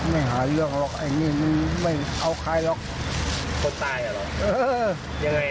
ไม่หาเรื่องหรอกไอ้นี่มันไม่เอาใครหรอกคนตายอ่ะหรอกเออยังไง